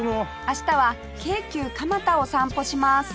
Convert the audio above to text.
明日は京急蒲田を散歩します